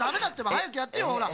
はやくやってよほらっ。